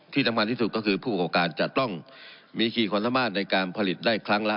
ที่สำคัญที่สุดก็คือผู้ประกอบการจะต้องมีขี่ความสามารถในการผลิตได้ครั้งละ